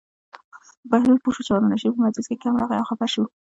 بهلول پوه شو چې هارون الرشید په مجلس کې کم راغی او خپه شو.